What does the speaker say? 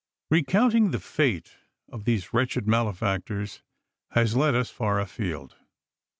T) ECOUNTING the fate of these wretched male JLIj factors has led us far afield.